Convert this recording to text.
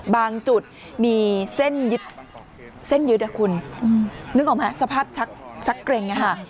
บางจุดมีเส้นยึดเส้นยึดอ่ะคุณนึกออกมั้ยสภาพชักเกร็งอ่ะค่ะ